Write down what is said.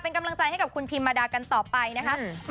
เป็นกำลังใจให้กับคุณพิมมาดากันต่อไปนะคะ